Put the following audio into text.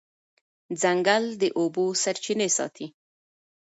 ځنګل د اوبو سرچینې ساتي.